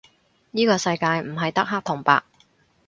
依個世界唔係得黑同白